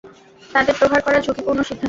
তাদের প্রহার করা ঝুকিপূর্ণ সিদ্ধান্ত।